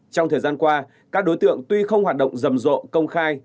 trong thời gian qua các đối tượng tuy không hoạt động rầm rộ công khai